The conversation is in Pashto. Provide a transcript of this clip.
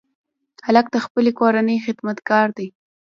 هلک د خپلې کورنۍ خدمتګار دی.